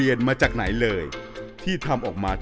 มีหลานชายคนหนึ่งเขาไปสื่อจากคำชโนธ